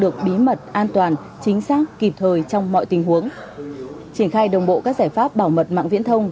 chính xác kịp thời trong mọi tình huống triển khai đồng bộ các giải pháp bảo mật mạng viễn thông